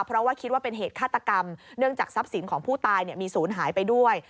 เพราะว่าคิดว่าเป็นเหตุฆาตกรรมเนื่องจากทรัพย์สินของผู้ตายมีศูนย์หายไปด้วย